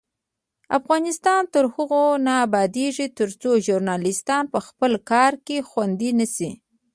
افغانستان تر هغو نه ابادیږي، ترڅو ژورنالیستان په خپل کار کې خوندي نشي.